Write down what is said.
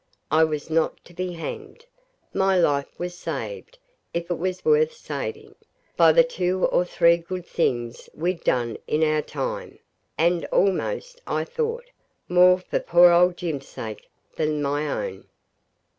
I was not to be hanged. My life was saved, if it was worth saving, by the two or three good things we'd done in our time, and almost, I thought, more for poor old Jim's sake than my own.